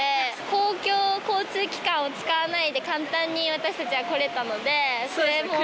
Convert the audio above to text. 公共交通機関を使わないで簡単に私たちは来れたので、それも。